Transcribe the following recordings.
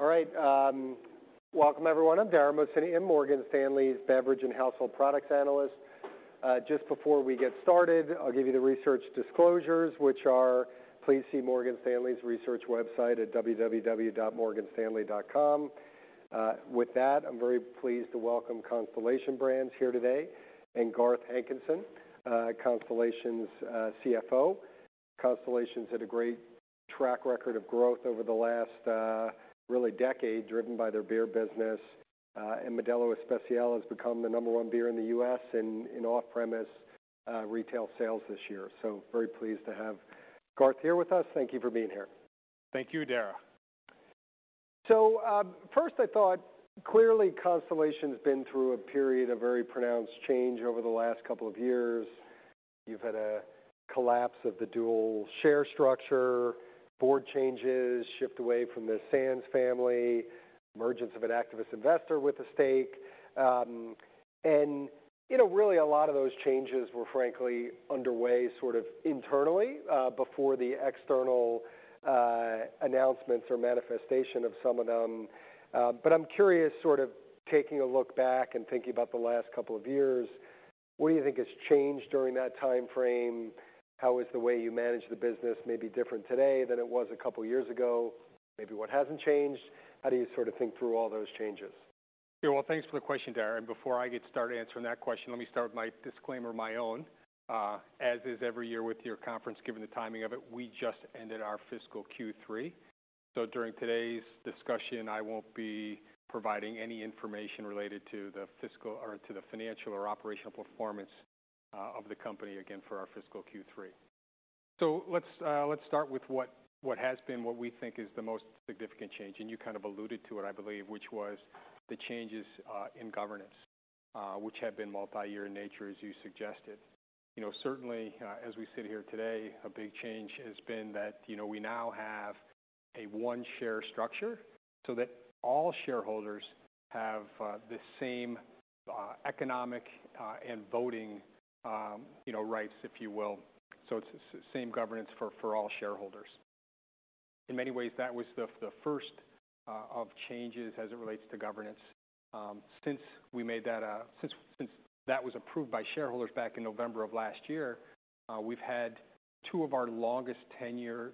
All right, welcome, everyone. I'm Darragh Mooney, Morgan Stanley's Beverage and Household Products analyst. Just before we get started, I'll give you the research disclosures, which are: Please see Morgan Stanley's research website at www.morganstanley.com. With that, I'm very pleased to welcome Constellation Brands here today, and Garth Hankinson, Constellation's CFO. Constellation's had a great track record of growth over the last really decade, driven by their beer business. Modelo Especial has become the number one beer in the U.S. in off-premise retail sales this year. Very pleased to have Garth here with us. Thank you for being here. Thank you, Darragh. So, first, I thought, clearly, Constellation's been through a period of very pronounced change over the last couple of years. You've had a collapse of the dual share structure, board changes, shift away from the Sands family, emergence of an activist investor with a stake. And, you know, really a lot of those changes were frankly underway sort of internally, before the external, announcements or manifestation of some of them. But I'm curious, sort of taking a look back and thinking about the last couple of years, what do you think has changed during that timeframe? How is the way you manage the business maybe different today than it was a couple of years ago? Maybe what hasn't changed. How do you sort of think through all those changes? Yeah, well, thanks for the question, Darragh, and before I get started answering that question, let me start with my disclaimer, my own. As is every year with your conference, given the timing of it, we just ended our fiscal Q3. So during today's discussion, I won't be providing any information related to the fiscal or to the financial or operational performance of the company, again, for our fiscal Q3. So let's start with what has been what we think is the most significant change. And you kind of alluded to it, I believe, which was the changes in governance which have been multi-year in nature, as you suggested. You know, certainly, as we sit here today, a big change has been that, you know, we now have a one-share structure, so that all shareholders have the same economic and voting, you know, rights, if you will. So it's the same governance for all shareholders. In many ways, that was the first of changes as it relates to governance. Since that was approved by shareholders back in November of last year, we've had two of our longest tenured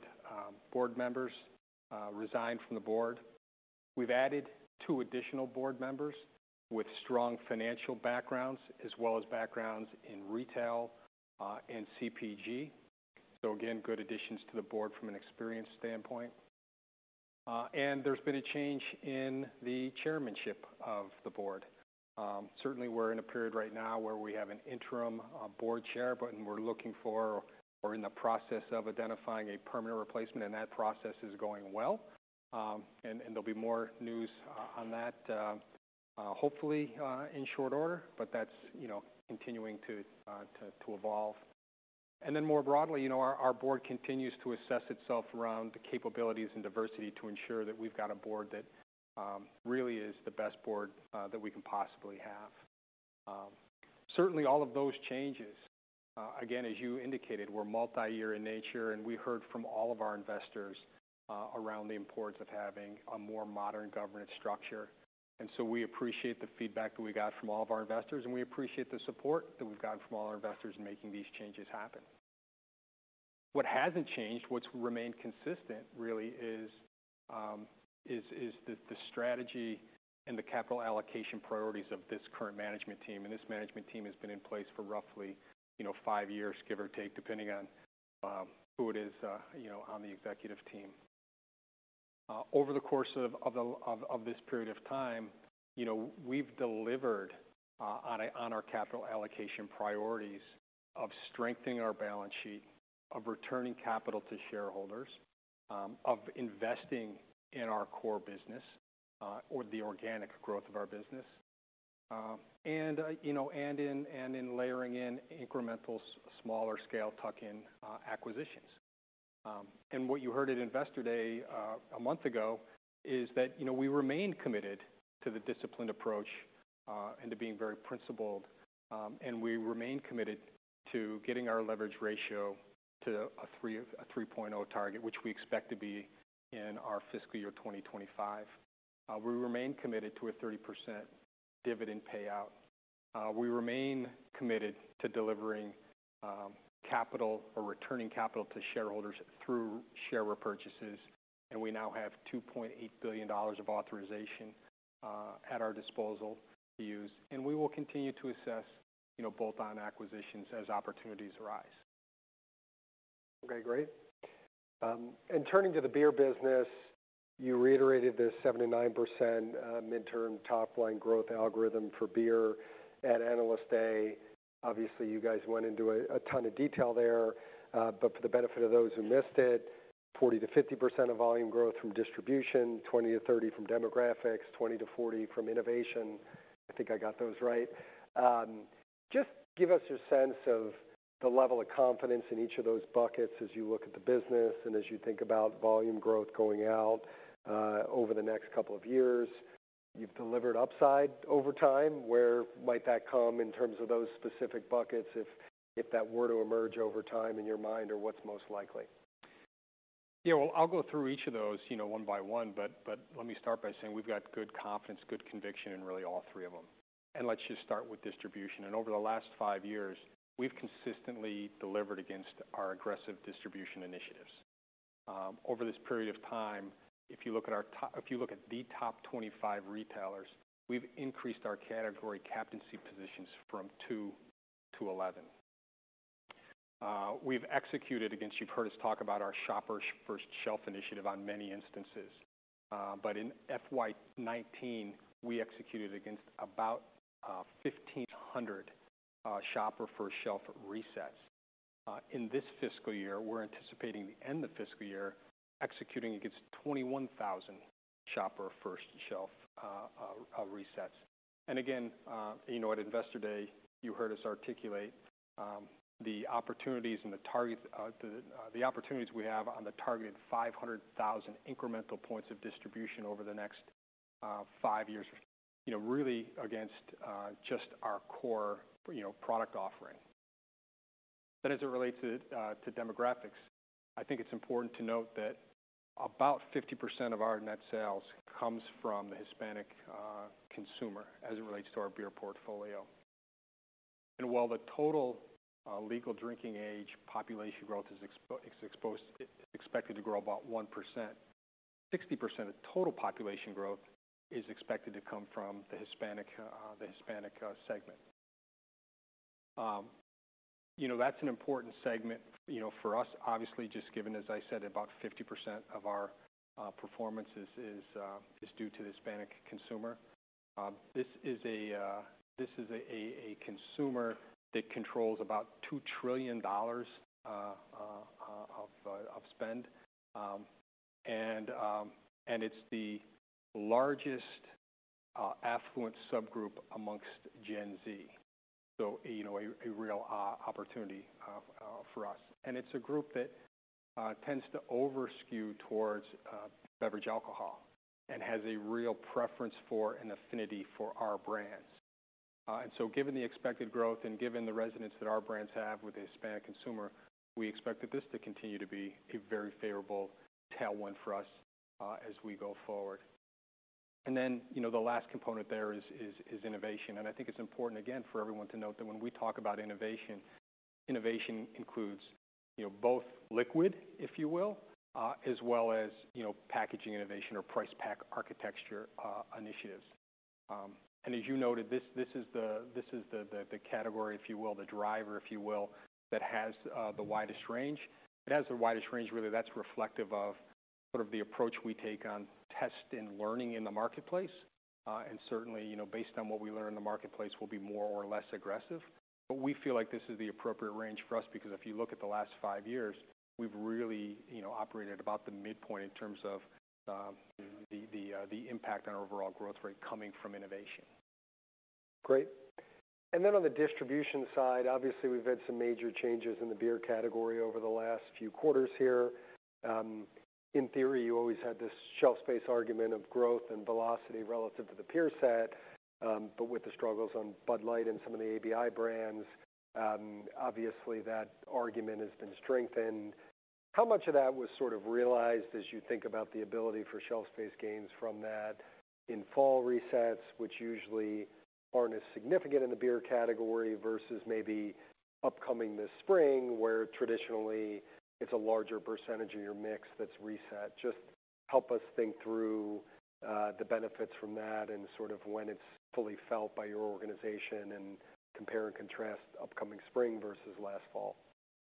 board members resign from the board. We've added two additional board members with strong financial backgrounds, as well as backgrounds in retail and CPG. So again, good additions to the board from an experience standpoint. And there's been a change in the chairmanship of the board. Certainly, we're in a period right now where we have an interim board chair, but we're looking for or in the process of identifying a permanent replacement, and that process is going well. And there'll be more news on that hopefully in short order, but that's, you know, continuing to evolve. And then more broadly, you know, our board continues to assess itself around the capabilities and diversity to ensure that we've got a board that really is the best board that we can possibly have. Certainly, all of those changes again, as you indicated, were multi-year in nature, and we heard from all of our investors around the importance of having a more modern governance structure. And so we appreciate the feedback that we got from all of our investors, and we appreciate the support that we've gotten from all our investors in making these changes happen. What hasn't changed, what's remained consistent, really is the strategy and the capital allocation priorities of this current management team, and this management team has been in place for roughly, you know, five years, give or take, depending on who it is, you know, on the executive team. Over the course of this period of time, you know, we've delivered on our capital allocation priorities of strengthening our balance sheet, of returning capital to shareholders, of investing in our core business, or the organic growth of our business, and, you know, and in layering in incremental, smaller scale tuck-in acquisitions. And what you heard at Investor Day, a month ago is that, you know, we remain committed to the disciplined approach, and to being very principled, and we remain committed to getting our leverage ratio to a 3.0 target, which we expect to be in our fiscal year 2025. We remain committed to a 30% dividend payout. We remain committed to delivering capital or returning capital to shareholders through share repurchases, and we now have $2.8 billion of authorization at our disposal to use, and we will continue to assess, you know, bolt-on acquisitions as opportunities arise. Okay, great. And turning to the beer business, you reiterated this 7-9% midterm top-line growth algorithm for beer at Analyst Day. Obviously, you guys went into a ton of detail there, but for the benefit of those who missed it, 40%-50% of volume growth from distribution, 20-30 from demographics, 20-40 from innovation. I think I got those right. Just give us your sense of the level of confidence in each of those buckets as you look at the business and as you think about volume growth going out over the next couple of years. You've delivered upside over time, where might that come in terms of those specific buckets, if that were to emerge over time in your mind, or what's most likely? Yeah, well, I'll go through each of those, you know, one by one, but let me start by saying we've got good confidence, good conviction in really all three of them. And let's just start with distribution. And over the last five years, we've consistently delivered against our aggressive distribution initiatives. Over this period of time, if you look at the top 25 retailers, we've increased our category captaincy positions from 2 to 11. We've executed against, you've heard us talk about our Shopper First Shelf initiative on many instances. But in FY 2019, we executed against about 1,500 Shopper First Shelf resets. In this fiscal year, we're anticipating the end of fiscal year, executing against 21,000 Shopper First Shelf resets. And again, you know, at Investor Day, you heard us articulate the opportunities and the target, the opportunities we have on the targeted 500,000 incremental points of distribution over the next 5 years, you know, really against just our core, you know, product offering. Then as it relates to demographics, I think it's important to note that about 50% of our net sales comes from the Hispanic consumer as it relates to our beer portfolio. And while the total legal drinking age population growth is expected to grow about 1%, 60% of total population growth is expected to come from the Hispanic segment. You know, that's an important segment, you know, for us, obviously, just given, as I said, about 50% of our performances is due to the Hispanic consumer. This is a consumer that controls about $2 trillion of spend. And it's the largest affluent subgroup amongst Gen Z, so, you know, a real opportunity for us. And it's a group that tends to over-skew towards beverage alcohol and has a real preference for, and affinity for our brands. And so, given the expected growth and given the resonance that our brands have with the Hispanic consumer, we expect that this to continue to be a very favorable tailwind for us, as we go forward. And then, you know, the last component there is innovation. I think it's important, again, for everyone to note that when we talk about innovation, innovation includes, you know, both liquid, if you will, as well as, you know, packaging innovation or price pack architecture initiatives. And as you noted, this is the category, if you will, the driver, if you will, that has the widest range. It has the widest range, really, that's reflective of sort of the approach we take on test and learning in the marketplace. And certainly, you know, based on what we learn in the marketplace, we'll be more or less aggressive. But we feel like this is the appropriate range for us, because if you look at the last five years, we've really, you know, operated at about the midpoint in terms of the impact on our overall growth rate coming from innovation. Great. Then on the distribution side, obviously, we've had some major changes in the beer category over the last few quarters here. In theory, you always had this shelf space argument of growth and velocity relative to the peer set, but with the struggles on Bud Light and some of the ABI brands, obviously, that argument has been strengthened. How much of that was sort of realized as you think about the ability for shelf space gains from that in fall resets, which usually aren't as significant in the beer category, versus maybe upcoming this spring, where traditionally it's a larger percentage of your mix that's reset? Just help us think through the benefits from that and sort of when it's fully felt by your organization, and compare and contrast upcoming spring versus last fall.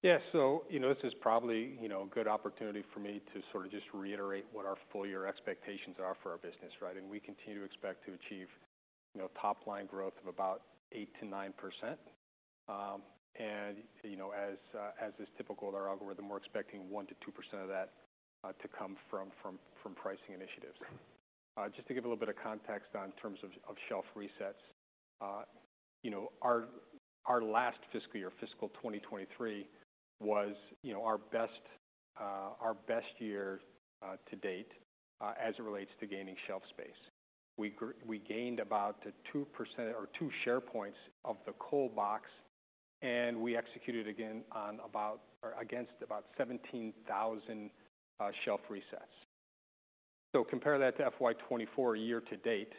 Yeah. So you know, this is probably, you know, a good opportunity for me to sort of just reiterate what our full year expectations are for our business, right? And we continue to expect to achieve, you know, top-line growth of about 8%-9%. And, you know, as is typical with our algorithm, we're expecting 1%-2% of that to come from pricing initiatives. Just to give a little bit of context in terms of shelf resets, you know, our last fiscal year, fiscal 2023, was, you know, our best year to date as it relates to gaining shelf space. We gained about 2% or 2 share points of the cold box, and we executed against about 17,000 shelf resets. So compare that to FY 2024, year to date,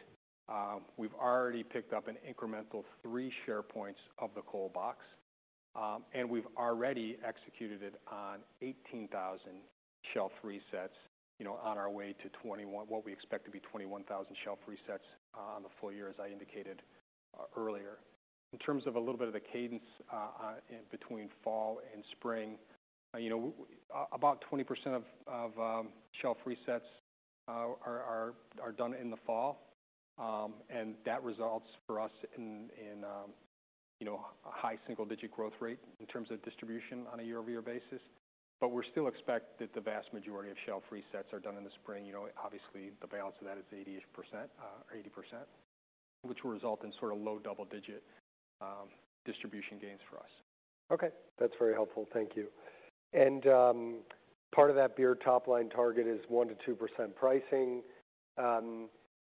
we've already picked up an incremental 3 share points of the cold box, and we've already executed it on 18,000 shelf resets, you know, on our way to 21, what we expect to be 21,000 shelf resets, on the full year, as I indicated earlier. In terms of a little bit of the cadence, in between fall and spring, you know, about 20% of shelf resets are done in the fall. And that results for us in, you know, a high single-digit growth rate in terms of distribution on a year-over-year basis. But we still expect that the vast majority of shelf resets are done in the spring. You know, obviously, the balance of that is 80%-ish%, or 80%.... which will result in sort of low double-digit distribution gains for us. Okay, that's very helpful. Thank you. And, part of that beer top-line target is 1%-2% pricing.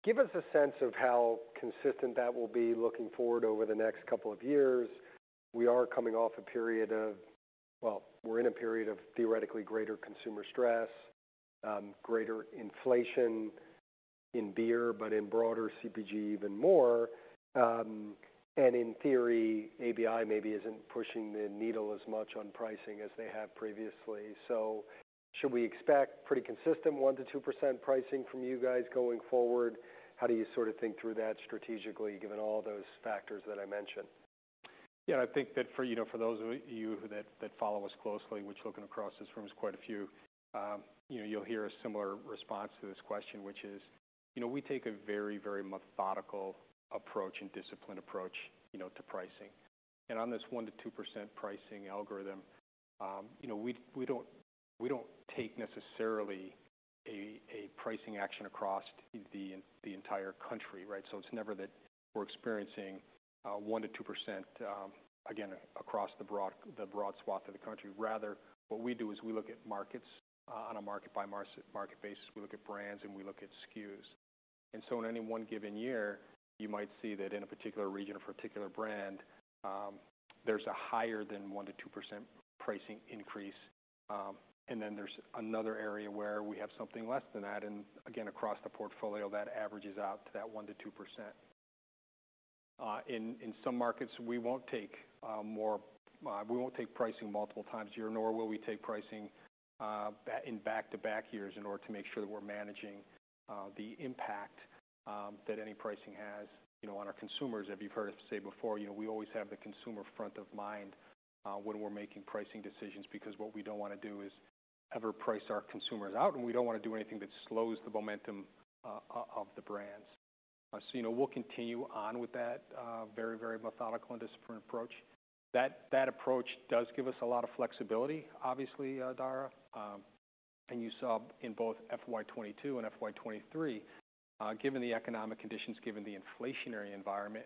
Give us a sense of how consistent that will be looking forward over the next couple of years. We are coming off a period of. Well, we're in a period of theoretically greater consumer stress, greater inflation in beer, but in broader CPG, even more. And in theory, ABI maybe isn't pushing the needle as much on pricing as they have previously. So should we expect pretty consistent 1%-2% pricing from you guys going forward? How do you sort of think through that strategically, given all those factors that I mentioned? Yeah, I think that for, you know, for those of you that follow us closely, which looking across this room is quite a few, you know, you'll hear a similar response to this question, which is, you know, we take a very, very methodical approach and disciplined approach, you know, to pricing. And on this 1%-2% pricing algorithm, you know, we, we don't, we don't take necessarily a, a pricing action across the the entire country, right? So it's never that we're experiencing, 1%-2%, again, across the broad, the broad swath of the country. Rather, what we do is we look at markets on a market-by-market basis. We look at brands, and we look at SKUs. In any one given year, you might see that in a particular region or particular brand, there's a higher than 1%-2% pricing increase. And then there's another area where we have something less than that, and again, across the portfolio, that averages out to that 1%-2%. In some markets, we won't take pricing multiple times a year, nor will we take pricing in back-to-back years in order to make sure that we're managing the impact that any pricing has, you know, on our consumers. If you've heard us say before, you know, we always have the consumer front of mind when we're making pricing decisions, because what we don't wanna do is ever price our consumers out, and we don't wanna do anything that slows the momentum of the brands. So, you know, we'll continue on with that very, very methodical and disciplined approach. That approach does give us a lot of flexibility, obviously, Dara. And you saw in both FY 2022 and FY 2023, given the economic conditions, given the inflationary environment,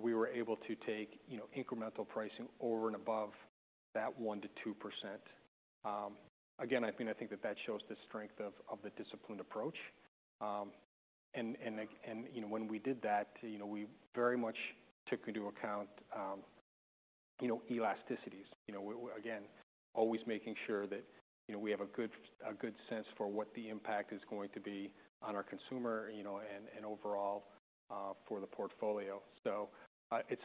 we were able to take, you know, incremental pricing over and above that 1%-2%. Again, I think that shows the strength of the disciplined approach. And when we did that, you know, we very much took into account, you know, elasticities. You know, again, always making sure that, you know, we have a good sense for what the impact is going to be on our consumer, you know, and overall, for the portfolio. So, it's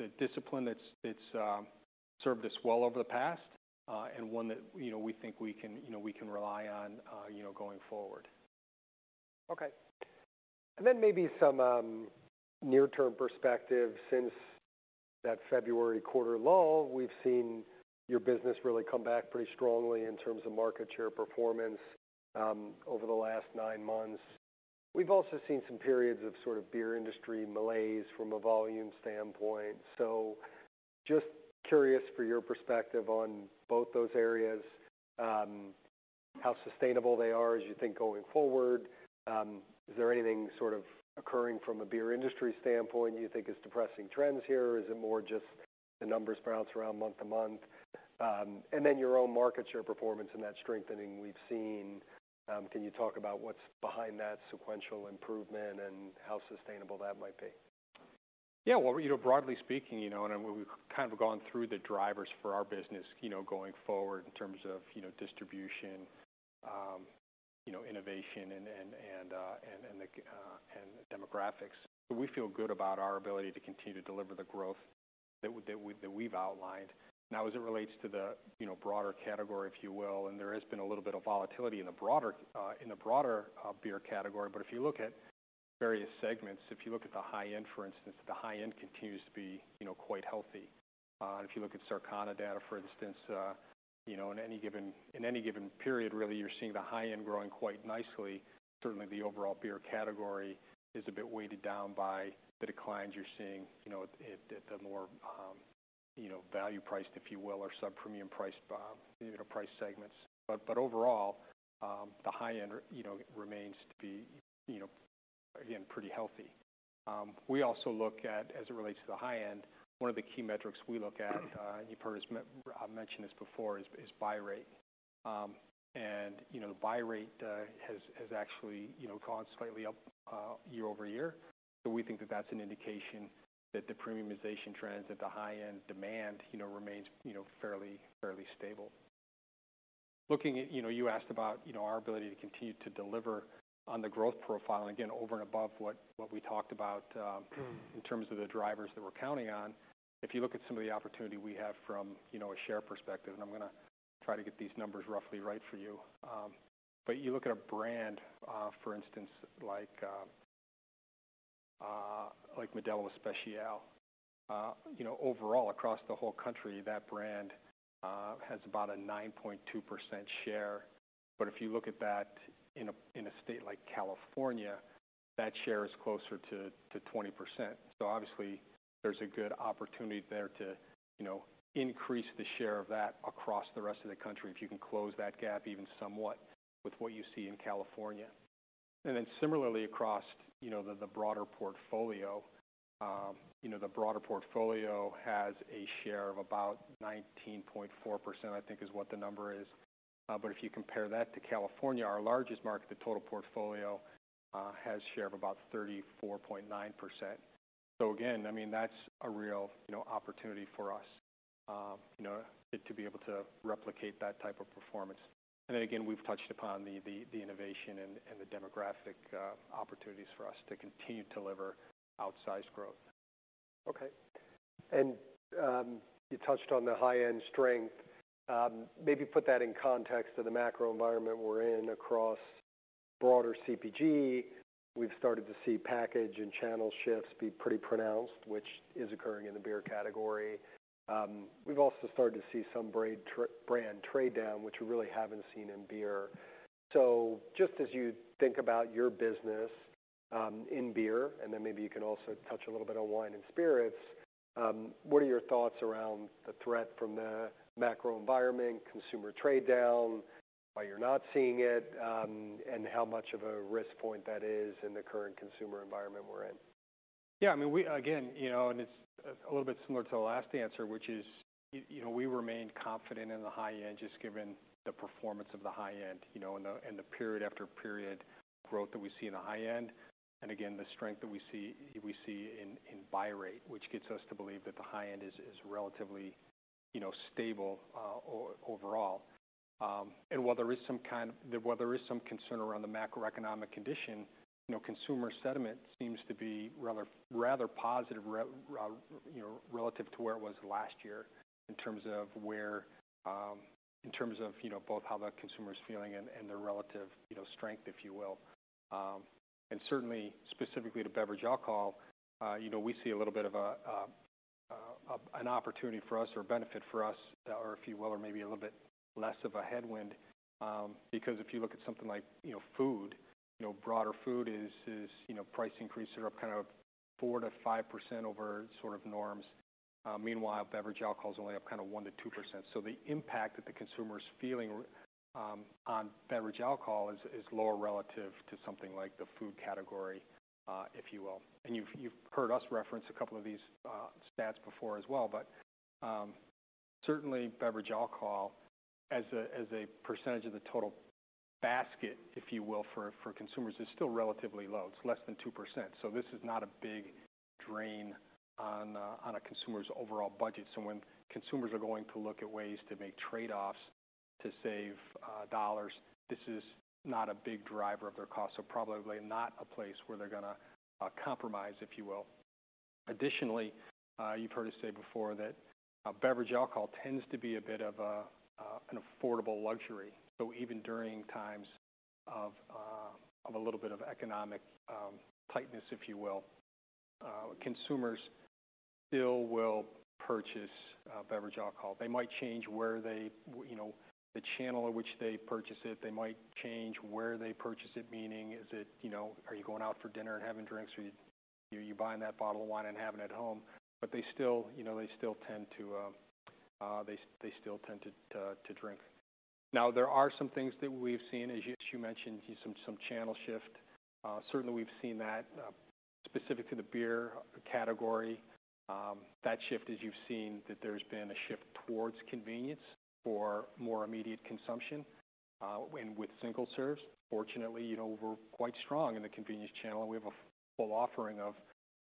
a discipline that's served us well over the past, and one that, you know, we think we can, you know, we can rely on, you know, going forward. Okay. And then maybe some near-term perspective. Since that February quarter lull, we've seen your business really come back pretty strongly in terms of market share performance over the last nine months. We've also seen some periods of sort of beer industry malaise from a volume standpoint. So just curious for your perspective on both those areas, how sustainable they are as you think going forward. Is there anything sort of occurring from a beer industry standpoint you think is depressing trends here, or is it more just the numbers bounce around month to month? And then your own market share performance and that strengthening we've seen, can you talk about what's behind that sequential improvement and how sustainable that might be? Yeah, well, you know, broadly speaking, you know, we've kind of gone through the drivers for our business, you know, going forward in terms of, you know, distribution, you know, innovation, and demographics. But we feel good about our ability to continue to deliver the growth that we've outlined. Now, as it relates to the, you know, broader category, if you will, and there has been a little bit of volatility in the broader beer category. But if you look at various segments, if you look at the high end, for instance, the high end continues to be, you know, quite healthy. And if you look at Circana data, for instance, you know, in any given period, really, you're seeing the high end growing quite nicely. Certainly, the overall beer category is a bit weighted down by the declines you're seeing, you know, at the more, you know, value-priced, if you will, or sub-premium price, you know, price segments. But overall, the high end, you know, remains to be, you know, again, pretty healthy. We also look at, as it relates to the high end, one of the key metrics we look at, you've heard us mention this before, is buy rate. And, you know, the buy rate has actually, you know, gone slightly up year-over-year. So we think that that's an indication that the premiumization trends at the high-end demand, you know, remains fairly, fairly stable. Looking at... You know, you asked about, you know, our ability to continue to deliver on the growth profile, and again, over and above what we talked about in terms of the drivers that we're counting on. If you look at some of the opportunity we have from, you know, a share perspective, and I'm gonna try to get these numbers roughly right for you. But you look at a brand, for instance, like Modelo Especial. You know, overall, across the whole country, that brand has about a 9.2% share. But if you look at that in a state like California, that share is closer to 20-... So obviously, there's a good opportunity there to, you know, increase the share of that across the rest of the country, if you can close that gap even somewhat with what you see in California. And then similarly, across, you know, the broader portfolio, you know, the broader portfolio has a share of about 19.4%, I think, is what the number is. But if you compare that to California, our largest market, the total portfolio has share of about 34.9%. So again, I mean, that's a real, you know, opportunity for us, you know, it to be able to replicate that type of performance. And then again, we've touched upon the innovation and the demographic opportunities for us to continue to deliver outsized growth. Okay. You touched on the high-end strength. Maybe put that in context of the macro environment we're in across broader CPG. We've started to see package and channel shifts be pretty pronounced, which is occurring in the beer category. We've also started to see some brand trade down, which we really haven't seen in beer. So just as you think about your business, in beer, and then maybe you can also touch a little bit on wine and spirits, what are your thoughts around the threat from the macro environment, consumer trade down, why you're not seeing it, and how much of a risk point that is in the current consumer environment we're in? Yeah, I mean, again, you know, and it's a little bit similar to the last answer, which is, you know, we remain confident in the high end, just given the performance of the high end, you know, and the period after period growth that we see in the high end. And again, the strength that we see in buy rate, which gets us to believe that the high end is relatively, you know, stable overall. And while there is some concern around the macroeconomic condition, you know, consumer sentiment seems to be rather positive, you know, relative to where it was last year, in terms of where, in terms of, you know, both how the consumer is feeling and the relative, you know, strength, if you will. And certainly, specifically to beverage alcohol, you know, we see a little bit of an opportunity for us or benefit for us, or if you will, or maybe a little bit less of a headwind. Because if you look at something like, you know, food, you know, broader food is, you know, price increases are up kind of 4%-5% over sort of norms. Meanwhile, beverage alcohol is only up kind of 1%-2%. So the impact that the consumer is feeling on beverage alcohol is lower relative to something like the food category, if you will. And you've heard us reference a couple of these stats before as well, but certainly beverage alcohol as a percentage of the total basket, if you will, for consumers, is still relatively low. It's less than 2%, so this is not a big drain on a consumer's overall budget. So when consumers are going to look at ways to make trade-offs to save dollars, this is not a big driver of their cost. So probably not a place where they're gonna compromise, if you will. Additionally, you've heard us say before that beverage alcohol tends to be a bit of an affordable luxury. So even during times of a little bit of economic tightness, if you will, consumers still will purchase beverage alcohol. They might change where they, you know, the channel in which they purchase it. They might change where they purchase it, meaning, is it, you know, are you going out for dinner and having drinks, or are you buying that bottle of wine and have it at home? But they still, you know, they still tend to drink. Now, there are some things that we've seen, as you mentioned, some channel shift. Certainly, we've seen that, specific to the beer category. That shift, as you've seen, that there's been a shift towards convenience for more immediate consumption, and with single serves. Fortunately, you know, we're quite strong in the convenience channel, and we have a full offering of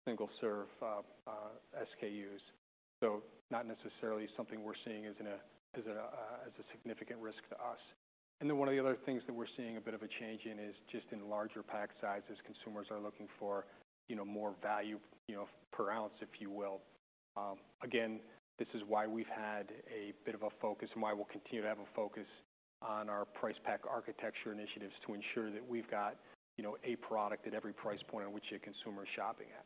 single-serve SKUs. So not necessarily something we're seeing as a significant risk to us. And then one of the other things that we're seeing a bit of a change in is just in larger pack sizes. Consumers are looking for, you know, more value, you know, per ounce, if you will. Again, this is why we've had a bit of a focus and why we'll continue to have a focus on our price pack architecture initiatives, to ensure that we've got, you know, a product at every price point on which a consumer is shopping at.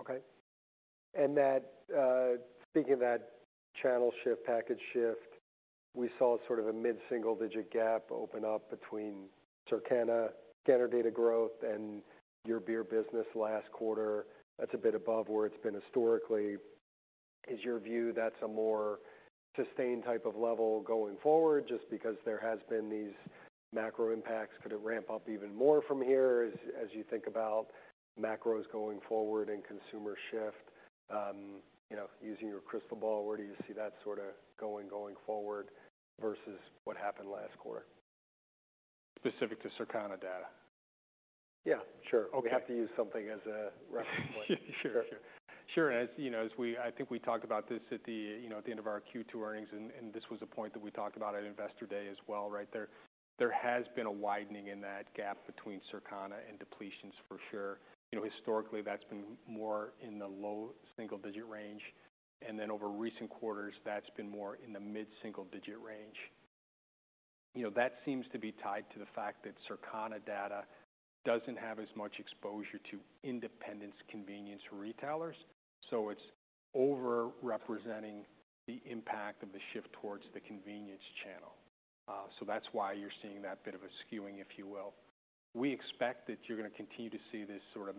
Okay. Speaking of that channel shift, package shift, we saw sort of a mid-single-digit gap open up between Circana scanner data growth and your beer business last quarter. That's a bit above where it's been historically. Is your view that's a more sustained type of level going forward, just because there has been these macro impacts? Could it ramp up even more from here, as you think about macros going forward and consumer shift, you know, using your crystal ball, where do you see that sort of going forward versus what happened last quarter? Specific to Circana data? Yeah, sure. Okay. We have to use something as a reference point. Sure, sure. Sure, as you know, as we—I think we talked about this at the, you know, at the end of our Q2 earnings, and this was a point that we talked about at Investor Day as well, right there. There has been a widening in that gap between Circana and depletions, for sure. You know, historically, that's been more in the low single-digit range, and then over recent quarters, that's been more in the mid-single-digit range. You know, that seems to be tied to the fact that Circana data doesn't have as much exposure to independent convenience retailers, so it's overrepresenting the impact of the shift towards the convenience channel. So that's why you're seeing that bit of a skewing, if you will. We expect that you're gonna continue to see this sort of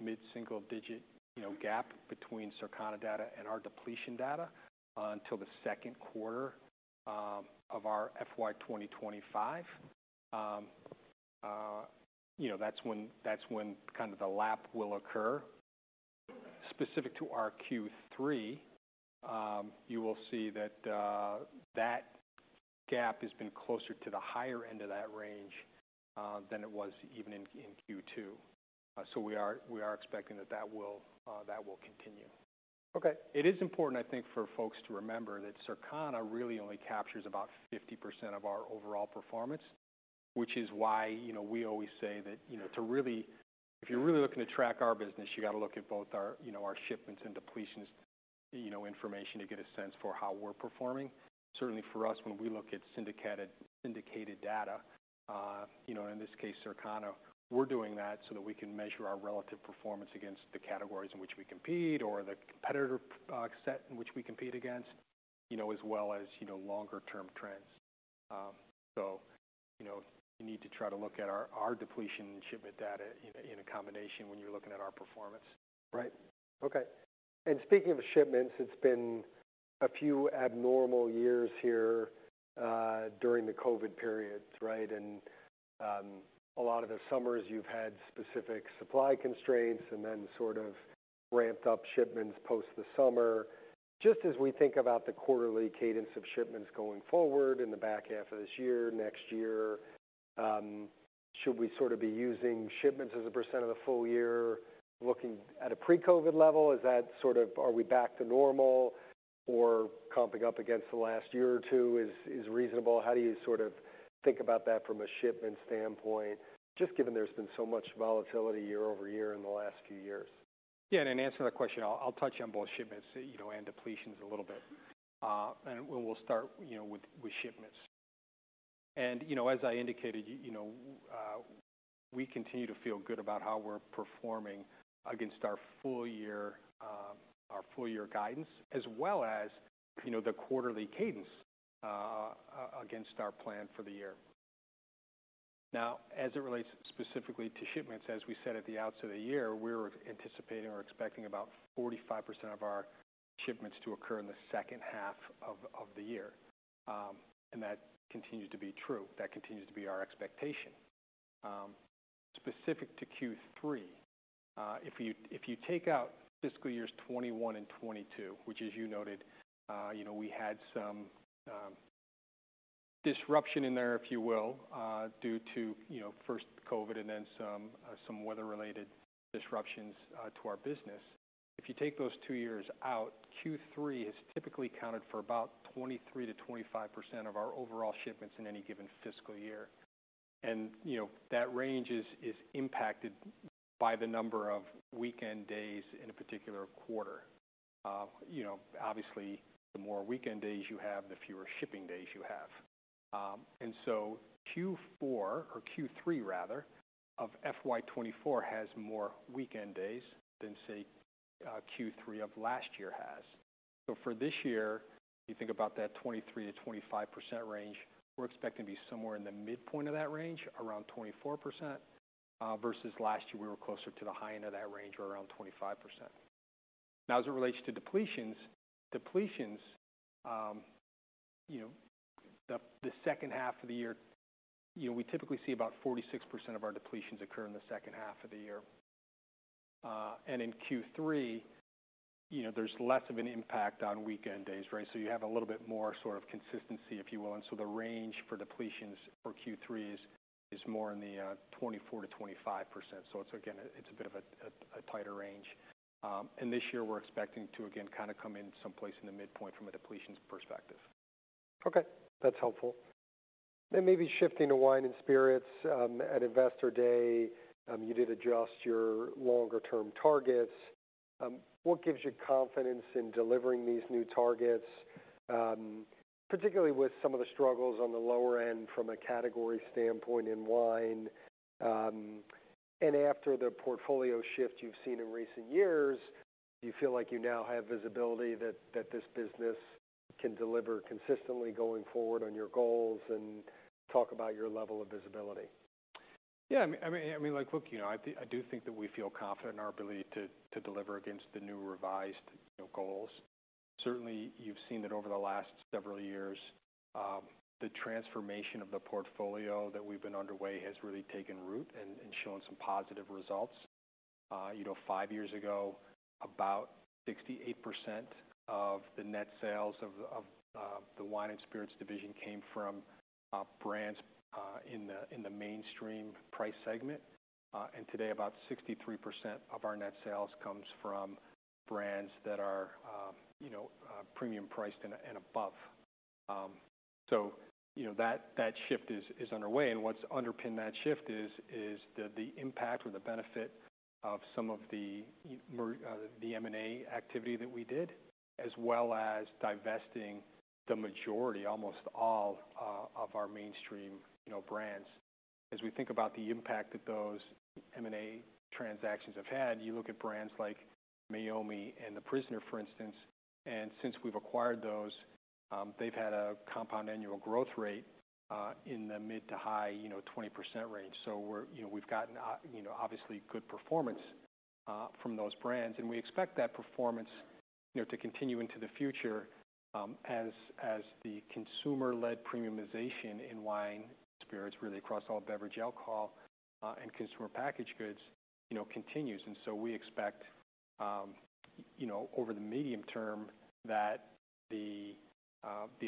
mid-single digit, you know, gap between Circana data and our depletion data until the second quarter of our FY 2025. You know, that's when, that's when kind of the lap will occur. Specific to our Q3, you will see that that gap has been closer to the higher end of that range than it was even in Q2. So we are, we are expecting that that will continue. Okay. It is important, I think, for folks to remember that Circana really only captures about 50% of our overall performance, which is why, you know, we always say that, you know, to really... If you're really looking to track our business, you gotta look at both our, you know, our shipments and depletions, you know, information to get a sense for how we're performing. Certainly for us, when we look at syndicated, syndicated data, you know, in this case, Circana, we're doing that so that we can measure our relative performance against the categories in which we compete or the competitor, set in which we compete against, you know, as well as, you know, longer-term trends. So, you know, you need to try to look at our, our depletion and shipment data in a, in a combination when you're looking at our performance. Right. Okay. And speaking of shipments, it's been a few abnormal years here during the COVID periods, right? And a lot of the summers you've had specific supply constraints and then sort of ramped up shipments post the summer. Just as we think about the quarterly cadence of shipments going forward in the back half of this year, next year, should we sort of be using shipments as a percent of the full year, looking at a pre-COVID level? Is that sort of... Are we back to normal or comping up against the last year or two is reasonable? How do you sort of think about that from a shipment standpoint, just given there's been so much volatility year-over-year in the last few years? Yeah, and to answer that question, I'll touch on both shipments, you know, and depletions a little bit. And we'll start, you know, with shipments. And, you know, as I indicated, you know, we continue to feel good about how we're performing against our full year, our full year guidance, as well as, you know, the quarterly cadence, against our plan for the year. Now, as it relates specifically to shipments, as we said at the outset of the year, we're anticipating or expecting about 45% of our shipments to occur in the second half of the year. And that continues to be true. That continues to be our expectation. Specific to Q3, if you, if you take out fiscal years 2021 and 2022, which, as you noted, you know, we had some, disruption in there, if you will, due to, you know, first COVID and then some, some weather-related disruptions, to our business. If you take those two years out, Q3 has typically accounted for about 23%-25% of our overall shipments in any given fiscal year. You know, that range is, is impacted by the number of weekend days in a particular quarter. You know, obviously, the more weekend days you have, the fewer shipping days you have. And so Q4, or Q3 rather, of FY 2024 has more weekend days than, say, Q3 of last year has. So for this year, you think about that 23%-25% range, we're expecting to be somewhere in the midpoint of that range, around 24%, versus last year, we were closer to the high end of that range, or around 25%. Now, as it relates to depletions, you know, the second half of the year, you know, we typically see about 46% of our depletions occur in the second half of the year. And in Q3, you know, there's less of an impact on weekend days, right? So you have a little bit more sort of consistency, if you will, and so the range for depletions for Q3 is more in the 24%-25%. So it's again a bit of a tighter range. And this year, we're expecting to again, kind of come in someplace in the midpoint from a depletions perspective. Okay. That's helpful. And maybe shifting to wine and spirits, at Investor Day, you did adjust your longer-term targets. What gives you confidence in delivering these new targets, particularly with some of the struggles on the lower end from a category standpoint in wine, and after the portfolio shift you've seen in recent years, do you feel like you now have visibility that, that this business can deliver consistently going forward on your goals? And talk about your level of visibility. Yeah, I mean, I mean, like, look, you know, I do think that we feel confident in our ability to deliver against the new revised, you know, goals. Certainly, you've seen that over the last several years, the transformation of the portfolio that we've been underway has really taken root and shown some positive results. You know, five years ago, about 68% of the net sales of the wine and spirits division came from brands in the mainstream price segment. And today, about 63% of our net sales comes from brands that are, you know, premium priced and above. So you know, that shift is underway. What's underpinned that shift is the impact or the benefit of some of the M&A activity that we did, as well as divesting the majority, almost all of our mainstream, you know, brands. As we think about the impact that those M&A transactions have had, you look at brands like Meiomi and The Prisoner, for instance, and since we've acquired those, they've had a compound annual growth rate in the mid- to high 20% range. So we're, you know, we've gotten, you know, obviously good performance from those brands, and we expect that performance, you know, to continue into the future, as the consumer-led premiumization in wine, spirits, really across all beverage alcohol and consumer packaged goods, you know, continues. We expect, you know, over the medium term, that the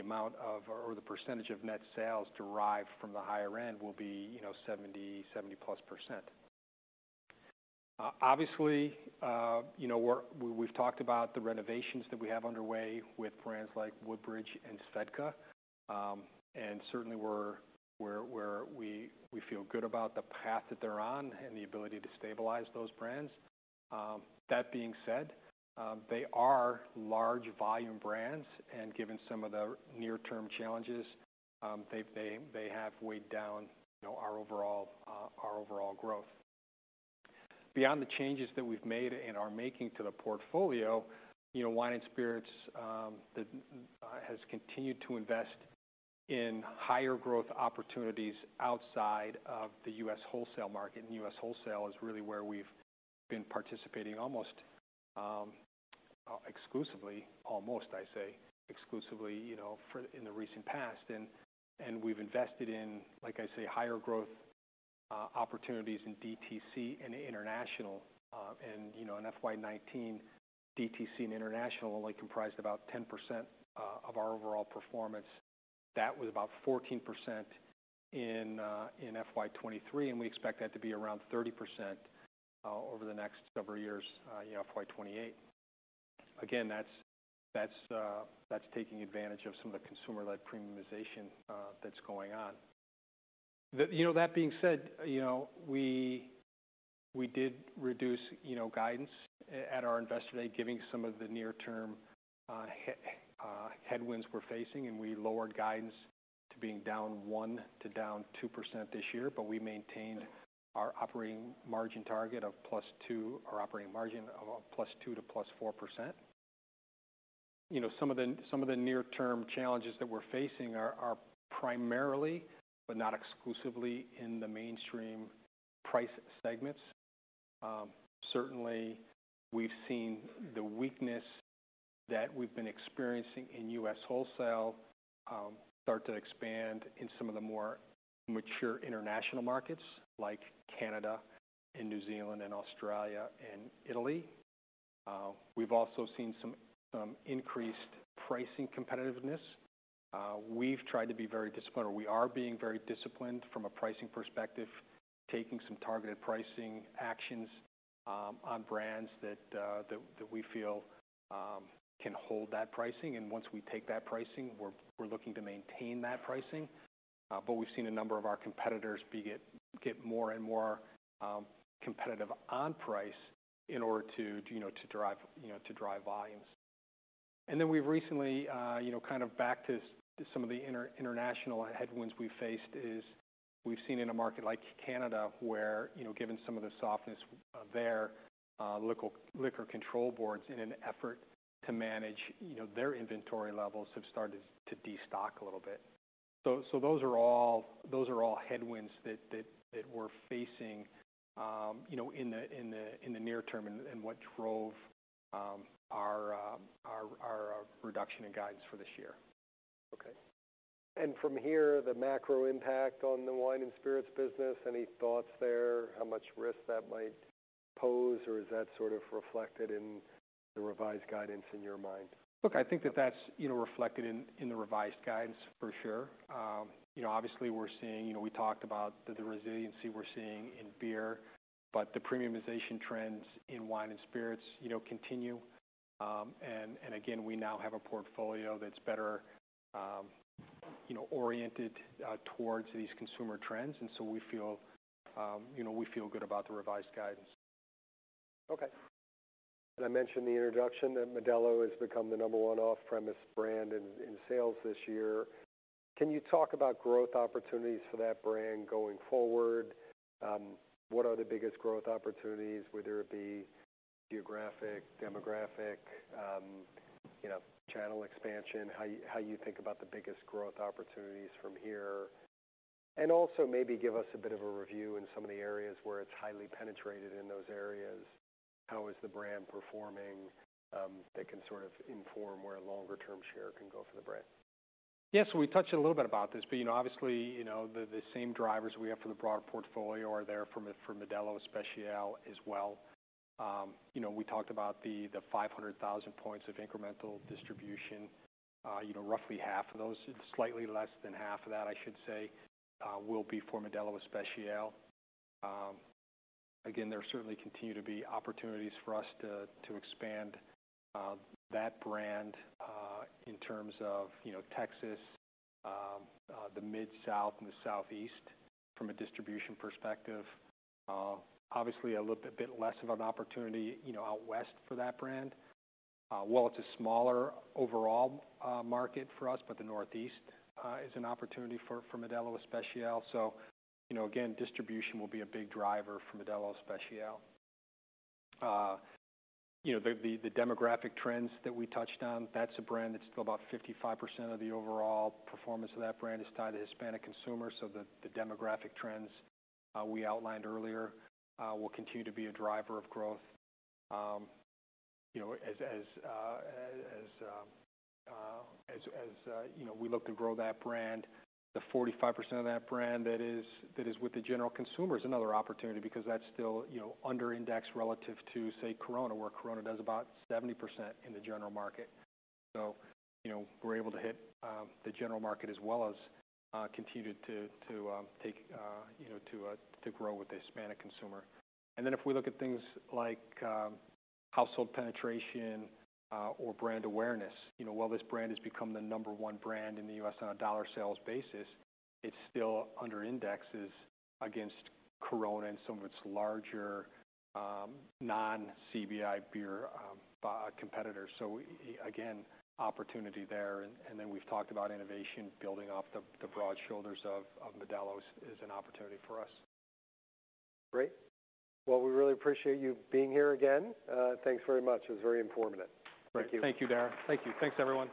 amount of, or the percentage of net sales derived from the high end will be, you know, 70, 70+%. Obviously, you know, we've talked about the renovations that we have underway with brands like Woodbridge and Svedka. And certainly we feel good about the path that they're on and the ability to stabilize those brands. That being said, they are large volume brands, and given some of the near-term challenges, they have weighed down, you know, our overall growth. Beyond the changes that we've made and are making to the portfolio, you know, Wine and Spirits has continued to invest in higher growth opportunities outside of the U.S. wholesale market. U.S. wholesale is really where we've been participating almost exclusively, you know, for in the recent past. And we've invested in, like I say, higher growth opportunities in DTC and international. And, you know, in FY 2019, DTC and international only comprised about 10% of our overall performance. That was about 14% in FY 2023, and we expect that to be around 30% over the next several years, you know, FY 2028. Again, that's taking advantage of some of the consumer-led premiumization that's going on. You know, that being said, you know, we, we did reduce, you know, guidance at our Investor Day, giving some of the near-term headwinds we're facing, and we lowered guidance to being down 1%-2% this year, but we maintained our operating margin target of +2%, or operating margin of +2% to +4%. You know, some of the, some of the near-term challenges that we're facing are, are primarily, but not exclusively, in the mainstream price segments. Certainly, we've seen the weakness that we've been experiencing in U.S. wholesale start to expand in some of the more mature international markets, like Canada and New Zealand and Australia and Italy. We've also seen some, some increased pricing competitiveness. We've tried to be very disciplined, or we are being very disciplined from a pricing perspective, taking some targeted pricing actions on brands that we feel can hold that pricing. And once we take that pricing, we're looking to maintain that pricing. But we've seen a number of our competitors get more and more competitive on price in order to, you know, to drive, you know, to drive volumes. And then we've recently, you know, kind of back to some of the international headwinds we faced is we've seen in a market like Canada, where, you know, given some of the softness there, liquor control boards, in an effort to manage, you know, their inventory levels, have started to destock a little bit. So those are all headwinds that we're facing, you know, in the near term and what drove our reduction in guidance for this year. Okay. From here, the macro impact on the wine and spirits business, any thoughts there? How much risk that might pose, or is that sort of reflected in the revised guidance in your mind? Look, I think that's, you know, reflected in the revised guidance for sure. You know, obviously, we're seeing, you know, we talked about the resiliency we're seeing in beer, but the premiumization trends in wine and spirits, you know, continue. And again, we now have a portfolio that's better, you know, oriented towards these consumer trends, and so we feel, you know, we feel good about the revised guidance. Okay. Did I mention in the introduction that Modelo has become the number one off-premise brand in sales this year? Can you talk about growth opportunities for that brand going forward? What are the biggest growth opportunities, whether it be geographic, demographic, you know, channel expansion? How you think about the biggest growth opportunities from here? And also maybe give us a bit of a review in some of the areas where it's highly penetrated in those areas. How is the brand performing, that can sort of inform where longer-term share can go for the brand? Yes, so we touched a little bit about this, but, you know, obviously, you know, the same drivers we have for the broader portfolio are there for Modelo Especial as well. You know, we talked about the 500,000 points of incremental distribution. You know, roughly half of those, slightly less than half of that, I should say, will be for Modelo Especial. Again, there certainly continue to be opportunities for us to expand that brand in terms of, you know, Texas, the Mid-South and the Southeast from a distribution perspective. Obviously a little bit less of an opportunity, you know, out West for that brand. While it's a smaller overall market for us, but the Northeast is an opportunity for Modelo Especial. So, you know, again, distribution will be a big driver for Modelo Especial. You know, the demographic trends that we touched on, that's a brand that's still about 55% of the overall performance of that brand is tied to Hispanic consumers. So the demographic trends we outlined earlier will continue to be a driver of growth. You know, as we look to grow that brand, the 45% of that brand that is with the general consumer is another opportunity, because that's still, you know, under indexed relative to, say, Corona, where Corona does about 70% in the general market. So, you know, we're able to hit the general market as well as continue to grow with the Hispanic consumer. And then if we look at things like household penetration or brand awareness, you know, while this brand has become the number 1 brand in the U.S. on a dollar sales basis, it still under indexes against Corona and some of its larger non-CBI beer competitors. So again, opportunity there. And then we've talked about innovation, building off the broad shoulders of Modelo is an opportunity for us. Great! Well, we really appreciate you being here again. Thanks very much. It was very informative. Thank you. Thank you, Darragh. Thank you. Thanks, everyone.